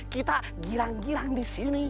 kita girang girang di sini